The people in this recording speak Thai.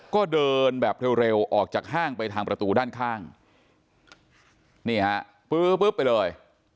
ก็เดินแบบเร็วออกจากห้างไปทางประตูด้านข้างนี่ฮะปื้อปุ๊บไปเลย